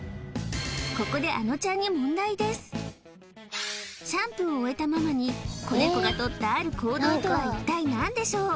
ここでシャンプーを終えたママに子ネコがとったある行動とは一体何でしょう？